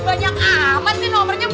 banyak amat sih nomernya